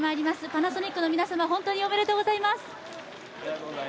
パナソニックの皆様、本当におめでとうございます。